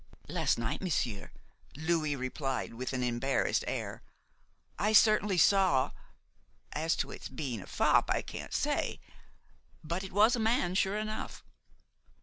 "Last night, monsieur," Louis replied, with an embarrassed air, "I certainly saw–as to its being a fop, I can't say, but it was a man, sure enough."